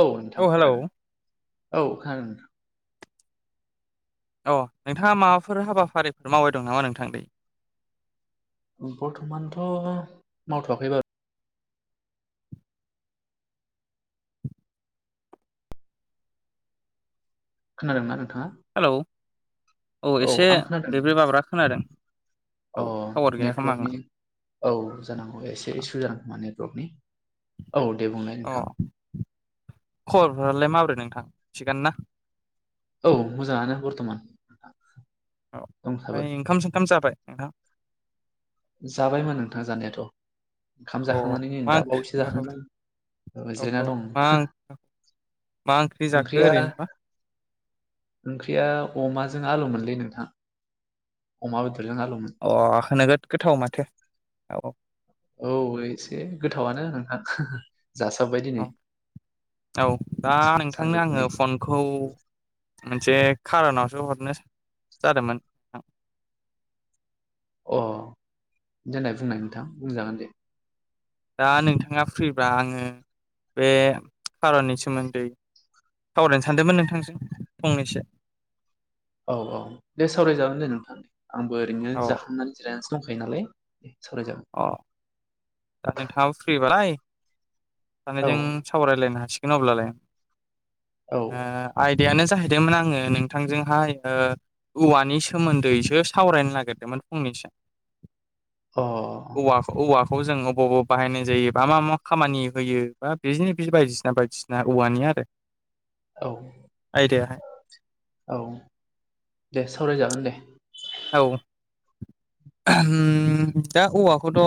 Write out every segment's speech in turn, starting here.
औ नोंथां जागोन औ खोनादों नोंथां। अ नोंथाङा माबाफोर हाबाफारिफोर मावबाय दं नामा नोंथां दायै? बर्थमानथ' मावथ'वाखैबा। खोनादोंना नों? हेलौ औ एसे आं खोनादों बेब्रै बाब्रा खोनादों। औ अ टावार गैया खोमा आंना नेटवर्कनि औ जानांगौ एसे इसु जादों खोमा नेटवर्कनि। औ दे बुंलाय अ नोंथां खबरफोरालाय माबोरै नोंथां, थिगानो ना? औ मोजाङानो बर्थमान। औ दंसाबो ओमफ्राय ओंखाम सोमखाम जाबाय नोंथां? जाबायमोन नोंथाङा जानायाथ'। खाम अ जाखांनानै मा दा बावैसो ओंख्रि जाखां औ जिरायना औ दं मा हो मा ओंख्रि जाखो ओरैनो? ओंख्रिया अमाजों आलुमोनलै नोंथां। अमा बे [unintelligible] आलुमोन अ नोगोद गोथाव माथो औ औ औ एसे गोथावनो नोंथां बायदिनो औ औ दा नोंथांनो आङो फनखौ मोनसे खार'नावसो हरनो जादोंमोन अ देनाय बुंनाय नोंथां बुंजागोन दे दा नोंथाङा फ्रिबा आङो बे खार'ननि सोमोन्दै सावरायनो सानदोंमोन नोंथांजों फंनैसो औ औ दे सावरायजागोन दे नोंथां आंबो ओरैनो औ जाखांनानै जिरायनासो दंखायो नालाय सावरायजागोन अ दा नोंथाङाबो फ्रिबालाय औ [unintelligible] सावरायलायनो हासिगोन अब्लालाय औ ओ आइद देयानो जाहैदोंमोन आङो नोंथांजों हाय ओ औवानि सोमोन्दैसो सावरायनो नागिरदोंमोन फंनैसो अ औवखौ औवाखौ जों अबाव बबाव बाहायनाय जायो बा मा मा खामानि होयो बा बिनि बायदिसिना बायदिसिना औवानि आरो औ आयदायाहाय औ दे सावरायजागोन दे औ ओम दा औवाखौथ'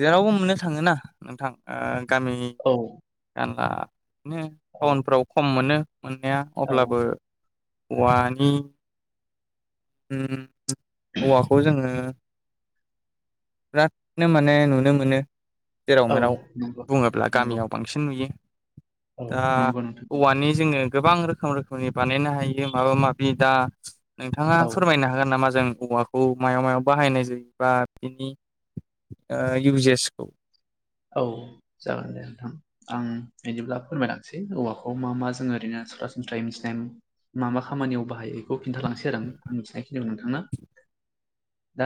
जेरावबो मोननो थाङोना नोंथां ओ गामिनि औ जानला [unintelligible] औ टाउनफ्राव खम मोनो मोननाया औ अब्लाबो औवानि ओम औवाखौ जोङो बिरादनो माने नुनो मोनो जेराव औ मेराव नंगौ बुङोब्ला नंगौ गामियाव बांसिन नुयो औ दा नंगौ नोंथां औवानि जोङो गोबां रोखोम रोखोमनि बानायनो हायो माबा माबि दा नोंथाङा औ फोरमायनो हागोन नामा जों औवाखौ मायाव मायाव बाहायनाय जायोबा बिनि ओ इउजेसखौ औ जागोन दे नोंथां आं बिदिब्ला फोरमायलांसै औवाखौ मा मा जों ओरैनो सरासनस्रायै मिथिनाय मा मा खामानियाव बाहायो बेखौ खिन्थाालांसैआं आं मिथिनाय खिनिखौ नोंथाङा [inaudible] दा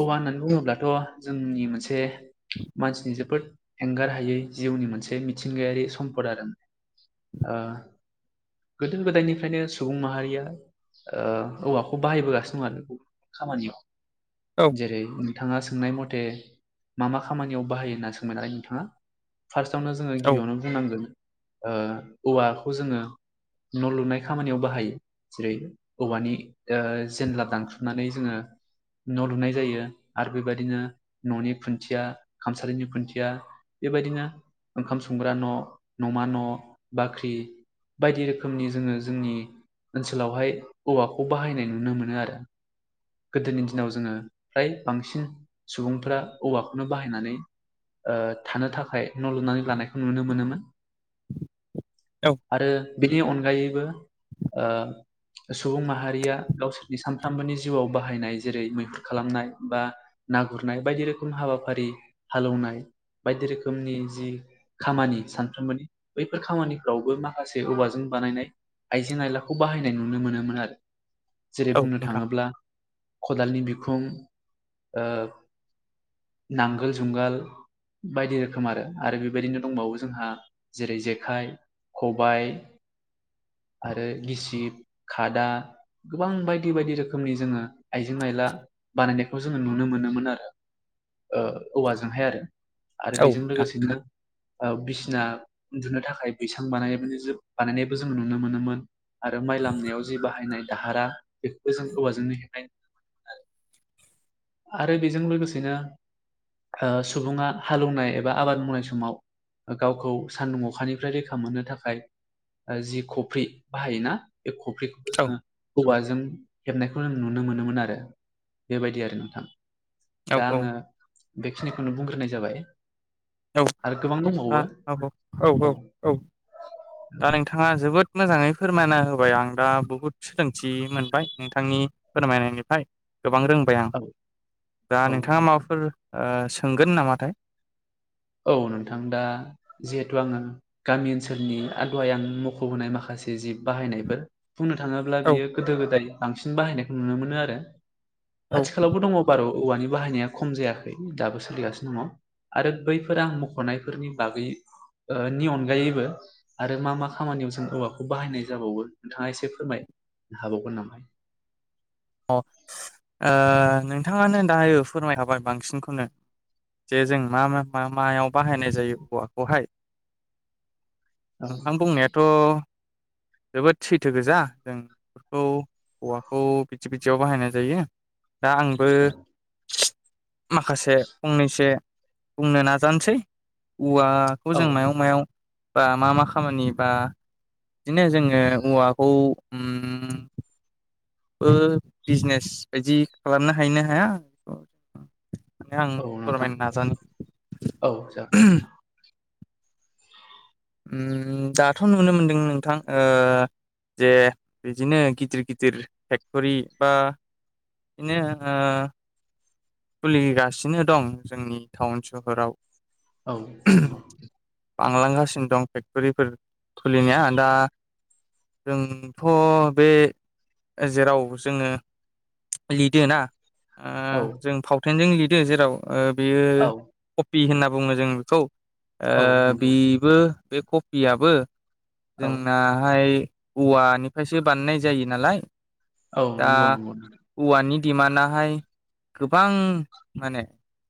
औवा होननानै बुङोब्लाथ' जोंनि मोनसे मानसिनि जोबोद एंगार हायै जिउनि मोनसे मिथिंगायारि सम्पद आरो ओ गोदो गोदायनिफ्रायनो सुबुं माहारिया ओ औवाखौ बाहायबोगासिनो दं आरो खामानियाव औ जेरै नोंथाङा सोंनाय मथे मा मा खामानियाव बाहायो होनना सोंबायनालाय नोंथाङा फार्स्टआवनो जोङो औ गिबियावनो बुंनांगोन ओ औवाखौ जोङो न' लुनाय खामानियाव बाहायो जेरै औवानि ओ जेनला दानखुनानै जोङो न' लुनाय जायो आरो बेबायदिनो न'नि खुन्थिया खामसालिनि खुन्थिया बेबायदिनो ओंखाम संग्रा न' न'मा न' बाख्रि बायदि रोखोमनि जोङो जोंनि ओनसोलावहाय औवाखौ बाहायनाय नुनो मोनो आरो गोदोनि दिनाव जोङो फ्राय बांसिन सुबुंफ्रा औवाखौनो बाहायनानै ओ थानो थाखाय न लुनानै लानायखौ नुनो मोनोमोन औ आरो बिनि अनगायैबो ओ सुबुं माहारिया गावसोरनि सानफ्रामबोनि जिउआव बाहायनाय जेरै मैहुर खालामनाय बा ना गुरनाय बायदि रोखोम हाबाफारि हालेवनाय बायदि रोखोमनि जि खामानि सानफ्रोमबोनि बैफोर खामानिफोरावबो माखासे औवाजों बानायनाय आइजें आयलाखौ बाहायनाय नुनो मोनोमोन आरो जेरै औ बुंनो नोंथां थाङोब्ला खदालनि बिखुं ओ नांगोल जुंगाल बायदि रोखोम आरो आरो बेबायदिनो दंबावो जोंहा जेरै जेखाइ खबाइ आरो गिसिब खादा गोबां बायदि बायदि रोखोमनि जोङो आइजें आइला बानायनायखौ जोङो नुनो मोनोमोन आरो ओ औवाजोंहाय आरो आरो औ बेजों नोंथां लोगोसेनो ओ बि सिना उन्दुनो थाखाय बैसां बानाय बानायनायबो जों नुनो मोनोमोन आरो माइ लामनायाव जि बाहायनाय दाहारा बेखौबो जों हौवाजोंनो हेबनाय [unintelligible] आरो बेजों लोगोसेनो ओ सुबुङा हालौवनाय एबा आबाद मावनाय समाव ओ गावखौ सान्दुं अखानिफ्राय रैखा मोननो थाखाय ओ जि खफ्रि बाहायोना बे खफ्रिखौबो औ जोङो औवाजों हेबनायखौनो नुनो मोनोमोन आरो बेबायदि आरो ना औ दा औ आङो बेखिनिखौनो बुंग्रोनाय जाबाय औ आरो गोबां आ दंबावो [unintelligible] औ औ औ दा नोंथाङा [unintelligible] जोबोद मोजाङै फोरमायना होबाय आं दा बुहुद सोलोंथि मोनबाय नोंथांनि फोरमायनायनिफ्राय गोबां रोंबाय आं औ दा औ नोंथाङा नोंथां माबाफोर सोंगोन ओ नामाथाय औ नोंथां दा जिहेथु आङो गामि ओनसोलनि [unintelligible] आं मखबोनाय माखा से जि बाहायनायफोर बुंनो थाङोब्ला औ बियो गोदो गोदाय बांसिन बाहायनायखौ नुनो मोनो आरो औ आथिखालावबो दङ बारु औवानि बाहायनाया खम जायाखै दाबो सोलिगासिनो दङ आरो बैफो फोर आं मखनायफोरनि बागै ओ नि अनगायैबो आरो मा मा खामानियाव जों औवाखौ बाहायनाय जाबावो नोंथाङा एसे फोरमाय हाबावगोन नामा [inaudible] अ ओ नोंथाङानो दायो फोरमायखाबाय बांसिनखौनो जे जों मा मा मा मायाव बाहायनाय जायो औवाखौहाय औ नोंथां बुंनायाथ जोबोद सैथो गोजा जों बेफोरखौ औवाखौ बि दि बिदियाव बाहायनाय जायो दा आंबो माखासे फंनैसो बुंनो नाजानोसै औवाखौ औ जों मायाव मायाव बा मा मा खामानि बा बिदिनो जोङो औवाखौ ओम ओ बिजनेस बायदि खालामनो हायोना हाया आं औ नोंथां फोरमायनो औ जागोन दे नाजानि नोंथां उम दाथ नुनो मोनदों नोंथां ओ जे बिदिनो गिदिर गिदिर फेक्टरि बा बिदिनो ओ खुलिगासिनो दं जोंनि टाउन सहराव औ नंगौ बांलांगासिनो दं फेक्टरिफोर खुलिनाया दा जोंथ' बे जेराव जोङो लिदोना औ ओ जों फावथेनजों लिरो जेराव बेयो औ कपि होनना बुङो जों बेखौ औ ओ नंगौ बिबो बे कपियाबो औ जोंनाहाय औवानिफ्रायसो बानायनाय जायो नालाय औ दा नंगौ नंगौ औवानि दिमान्डाहाय गोबां माने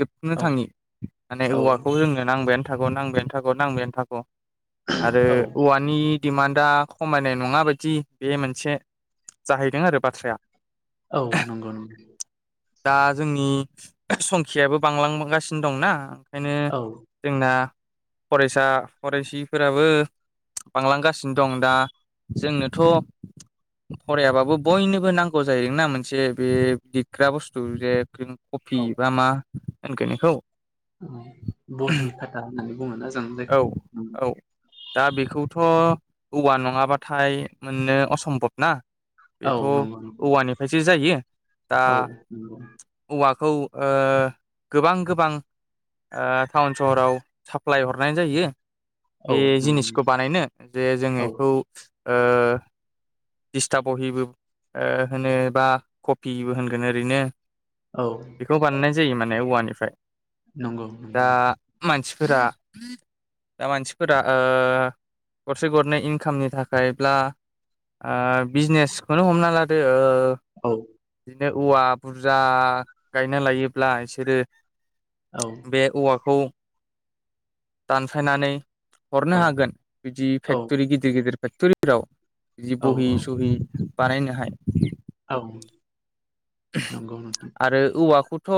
जोबनो औ थाङि माने औ औवाखौ जोंनो नांबायानो थागौ नांबायानो थागौ नांबायानो थागौ आरो औ औवानि दिमान्डआ खमायनाय नङा बायदि बे मोनसे जाहैदों आरो बाथ्राया औ नंगौ नंगौ दा जोंनि संखियायाबो बांलांगासिनो दंना ओंखायनो औ जोंना फरायसा फरायसिफोराबो बांलांगासिनो दं दा जोंनोथ' फरायाबाबो बयनोबो नांगौ जाहैदोंना मोनसे बे दिग्रा बुस्थु जे क्रिम कफि औ बा मा होनगोन बेखौ बहि खाथा होननानै बुङोना जों औ जायखौ औ दा बेखौथ' औवा नङाबाथाय मोननो असम्भब ना औ बेथ' नंगौ नंगौ औवानिफ्रायसो जायो दा औ नंगौ औवाखौ ओ गोबां गोबां ओ टाउन सहराव साप्लाय हरनाय जायो औ बे नंगौ जिनिसखौ बानायनो जे जों औ बेखौ ओ दिस्टा बहिबो ओ होनो बा कफिबो होनगोन ओरैनो औ बेखौ बानायनाय जायो माने औवानिफ्राय नंगौ नंगौ नंगौ फोरा दा मानसिफोरा ओ गरसे गरनै इनकामनि थाखायब्ला ओ बिजनेसखौनो हमना लादो ओ औ बिदिनो औवा बुरजा गायना लायोब्ला बिसोरो औ बे औवाखौ दानफायनानै औ हरनो हागोन बिदि औ फेक्ट'रि गिदिर गिदिर फेक्टरिफोराव बिदि औ बहि औ सहि बानायनोहाय औ नंगौ नोंथां आरो औवाखौथ'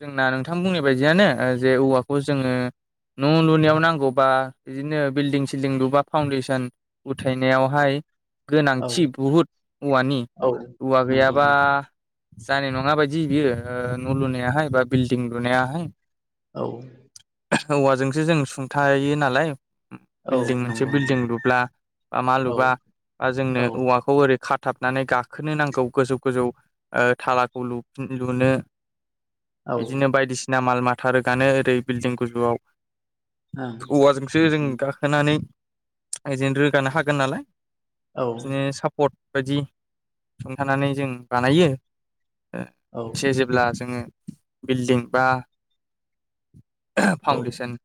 जोंना नोंथां बुंनाय बायदियानो ओ जे औवाखौ जोङो न' लुनायाव नांगौबा बिदिनो बिल्डिं सिल्डिं लुबा फाउन्डेसन उथायनायावहाय औ गोनांथि बहुद औवानि औ औवा नंगौ गैयाबा नोंथां जानाय नङा बायदि बियो ओ न' लुनायाहाय बा बिल्डिं लुनायाहाय औ औवाजोंसो जों सुंथायो नालाय औ बिल्डिं मोनसे नंगौ बिल्डिं नंगौ लुब्ला बा मा औ लुबा बा जोंनो औ औवाखौ ओरै खा थाबनानै गाखोनो नांगौ गोजौ गोजौ ओ थालाखौ लुनो औ बिदिनो बायदिसिना माल माथा रोगानो ओरै बिल्डिं ओं गोजौआव औवाजोंसो जों उम गाखोनानै जोंनो रोगानो हागोन नालाय औ बिदिनो सापर्ट बायदि सुंथानानै जों बानायो मोनसे जेब्ला जोङो बिल्डिं बा औ फाउन्डेसन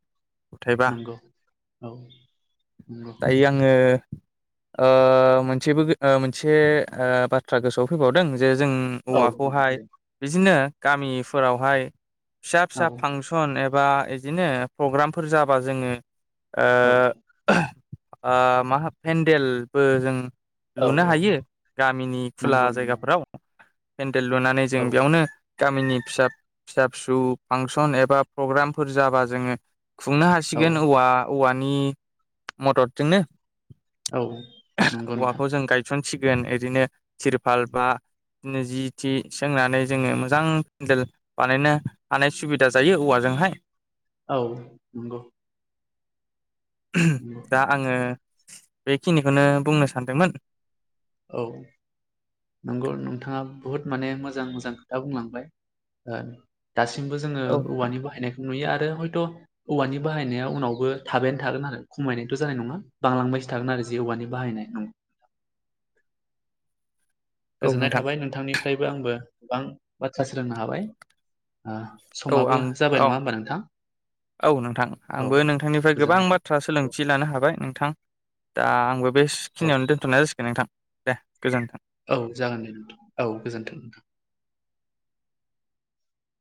उथायबा नंगौ औ नंगौ दायो आङो ओ मोनसेबो ओ मोनसे ओ बाथ्रा गोसोआव फैबावदों जे जों औ नोंथां औवाखौहाय दे बिदिनो गामिफोरावहाय फिसा औ फिसा फांसन एबा इदिनो प्रग्रामफोर जाबा जोङो ओ औ ओ मा पेन्देलबो जों औ लुनो हायो गामिनि खुला नंगौ नंगौ जायगाफोराव पेन्डेल लुनानै जों औ बेयावनो गामिनि फिसा फिसा फिसौ फांसन एबा प्रग्रामफोर जाबा जोङो खुंनो औ हासिगोन औवा औवानि मददजोंनो औ नंगौ नोंथां। सिगोन इदिनो टिरपाल बा इदिनो जि थि सोंनानै जोङो मोजां पन्देल बानायनो हानाय सुबिदा जायो औवाजोंहाय [inaudible] औ नंगौ नंगौ दा आङो बेखिनिखौनो बुंनो सानदोंमोन। औ नंगौ नोंथाङा बुहुत माने मोजां मोजां खोथा बुंलांबाय। दासिमबो जोङो औ औवानि बाहायनायखौ नुयो आरो। आरो हयथ' औवानि बाहायनाया उनावबो थाबायानो थागोन आरो खमायनायथ' जानाय नङा बांलांबायसो थागोन आरो। जे औवानि बाहायनाय [inaudible] गोजोननाय नोंथां थाबाय नोंथांनिफ्रायबो आंबो गोबां बाथ्रा सोलोंनो हाबाय। औ नोंथां औ समाबो आं जाबाय औ नङा होमबा नोंथां। औ नोंथां औ आंबो नोंथांनिफ्राय गोबां गोजोननाय थाबाय बाथ्रा औ सोलोंथि लानो हाबाय नोंथां। दा आंबो औ बेखिनियावनो दोन्थ'नाय जासिगोन नोंथां दे गोजोन्थों। औ जागोन दे नोंथां औ गोजोनथों।